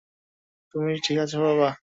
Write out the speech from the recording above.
তুমি ঠিক আছো বাবা?